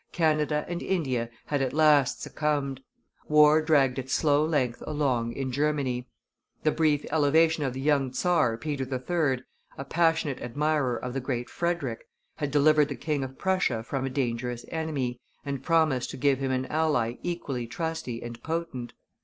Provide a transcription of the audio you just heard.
Canada and India had at last succumbed. War dragged its slow length along in Germany. The brief elevation of the young czar, Peter III., a passionate admirer of the great Frederick, had delivered the King of Prussia from a dangerous enemy, and promised to give him an ally equally trusty and potent.